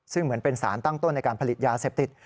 ซึ่งเหมือนเป็นสารตั้งต้นในการผลิตยาเสพติด